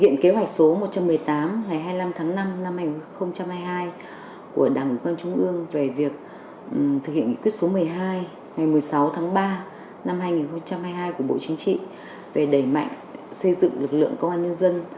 ngày một mươi sáu tháng ba năm hai nghìn hai mươi hai của bộ chính trị về đẩy mạnh xây dựng lực lượng công an nhân dân